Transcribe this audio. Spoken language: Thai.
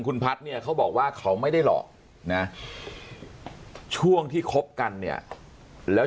คุณพัฒน์เนี่ยเขาบอกว่าเขาไม่ได้หลอกนะช่วงที่คบกันเนี่ยแล้ว